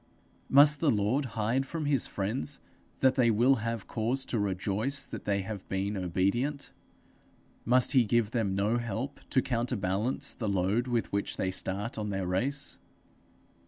Must the Lord hide from his friends that they will have cause to rejoice that they have been obedient? Must he give them no help to counterbalance the load with which they start on their race?